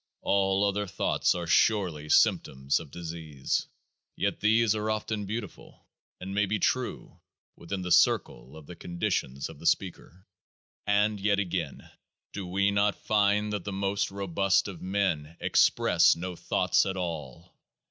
All other thoughts are surely symptoms of disease. Yet these are often beautiful, and may be true within the circle of the conditions of the speaker. And yet again ! Do we not find that the most robust of men express no thoughts at all?